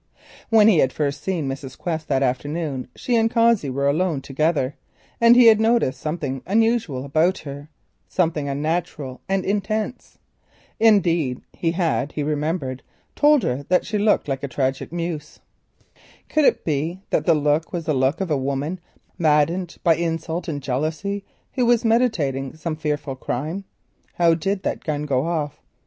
When he had first seen Mrs. Quest that afternoon she and Cossey were alone together, and he had noticed something unusual about her, something unnatural and intense. Indeed, he remembered he had told her that she looked like the Tragic Muse. Could it be that the look was the look of a woman maddened by insult and jealousy, who was meditating some fearful crime? _How did that gun go off?